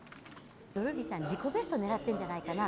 ドルーリーさん、自己ベスト狙ってるんじゃないかな？